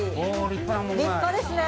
立派ですね。